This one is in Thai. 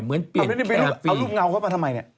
เอารูปเงาเค้าไปทำไมเนี่ย